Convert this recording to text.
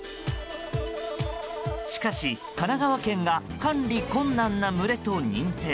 しかし神奈川県が管理困難な群れと認定。